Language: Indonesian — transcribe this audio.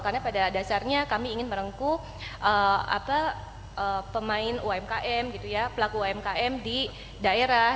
karena pada dasarnya kami ingin merengkuk pemain umkm pelaku umkm di daerah